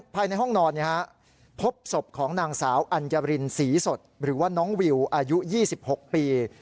ภายในห้องนอนพบศพของนางสาวอัญรินศรีสดหรือว่าน้องวิวอายุ๒๖ปี